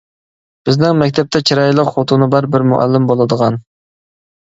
بىزنىڭ مەكتەپتە چىرايلىق خوتۇنى بار بىر مۇئەللىم بولىدىغان.